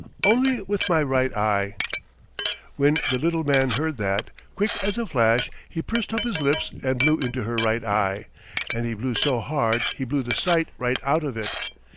"Only with my right eye." When the little man heard that, quick as a flash he pursed up his lips and blew into her right eye, and he blew so hard he blew the sight right out of it.